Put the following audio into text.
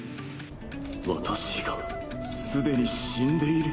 私がすでに死んでいる？